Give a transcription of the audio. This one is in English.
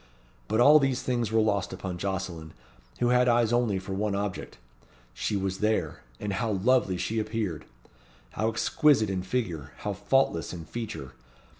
But all these things were lost upon Jocelyn, who had eyes only for one object. She was there, and how lovely she appeared! How exquisite in figure how faultless in feature!